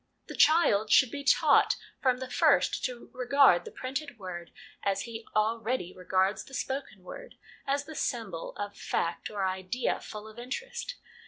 The child should be taught from the first to regard the printed word as he already regards the spoken word, as the symbol of fact or idea full of interest.